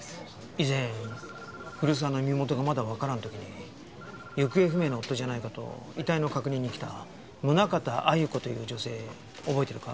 以前古沢の身元がまだわからん時に行方不明の夫じゃないかと遺体の確認に来た宗形鮎子という女性覚えているか？